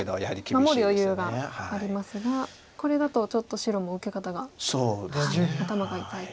守る余裕がありますがこれだとちょっと白も受け方が頭が痛いと。